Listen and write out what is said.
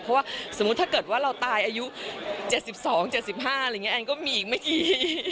เพราะว่าสมมุติถ้าเกิดว่าเราตายอายุ๗๒๗๕อะไรอย่างนี้แอนก็มีอีกไม่กี่